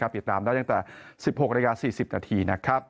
ติดตามได้ตั้งแต่๑๖นาที๔๐นาที